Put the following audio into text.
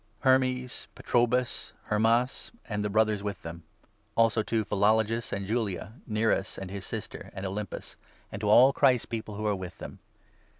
Hermes, Patrobas, Hermas, and the Brothers with them ; also 15 to Philologus and Julia, Nereus and his sister, and Olympas, and to all Christ's People who are with them.